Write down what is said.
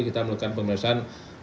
kita melakukan pemeriksaan